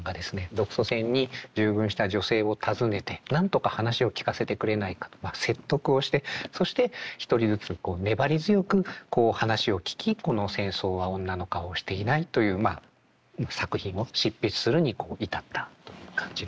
独ソ戦に従軍した女性を訪ねてなんとか話を聞かせてくれないかとまあ説得をしてそして１人ずつこう粘り強く話を聞きこの「戦争は女の顔をしていない」という作品を執筆するに至ったという感じですね。